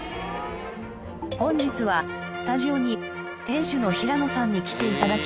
本日はスタジオに店主の平野さんに来て頂き